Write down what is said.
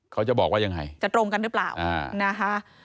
เขาจะบอกว่ายังไงจะตรงกันหรือเปล่านะคะ